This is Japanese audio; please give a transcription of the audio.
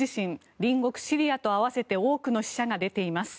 隣国シリアと合わせて多くの死者が出ています。